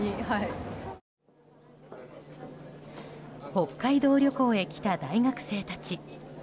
北海道旅行へ来た大学生たち。